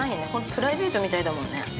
プライベートみたいだもんね。